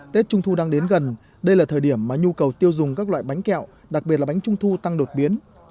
tết trung thu đang đến gần đây là thời điểm mà nhu cầu tiêu dùng các loại bánh kẹo đặc biệt là bánh trung thu tăng đột biến